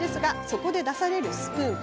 そこで出されるスプーン